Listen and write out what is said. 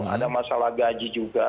ada masalah gaji juga